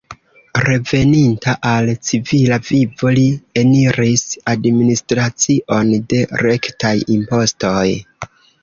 Reveninta al civila vivo, li eniris administracion de rektaj impostoj.